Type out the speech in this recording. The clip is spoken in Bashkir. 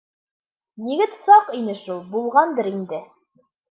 Егет саҡ ине шул, булғандыр инде.